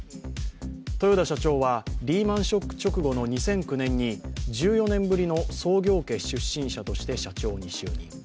豊田社長はリーマン・ショック直後の２００９年に１４年ぶりの創業家出身者として社長に就任。